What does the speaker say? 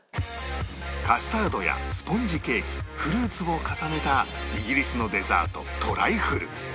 カスタードやスポンジケーキフルーツを重ねたイギリスのデザートトライフル